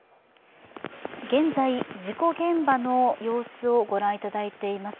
現在、事故現場の様子をご覧いただいています。